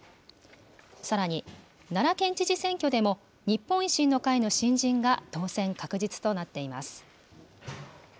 さらに、奈良県知事選挙でも、日本維新の会の新人が当選確実となっています。